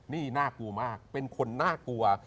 นี่น่ากลัวมากเป็นคนน่ากลัว